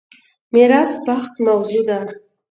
میراث بخت موضوع ده.